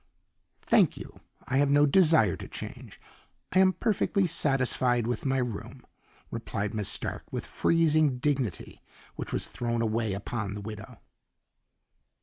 "Thank you; I have no desire to change. I am perfectly satisfied with my room," replied Miss Stark with freezing dignity, which was thrown away upon the widow.